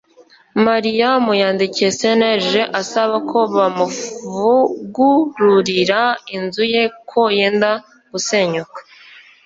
mariam yandikiye cnlg asaba ko bamufugururira inzu ye ko yenda gusenyuka